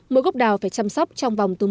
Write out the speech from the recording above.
mỗi gốc đào phải chăm sóc trong một năm